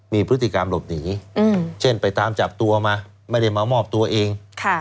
มีพฤติกรรมหลบหนีเช่นไปตามจับตัวมาไม่ได้มามอบตัวเอง